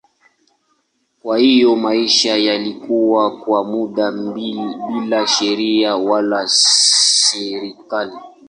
Kwa hiyo maisha yalikuwa kwa muda bila sheria wala serikali.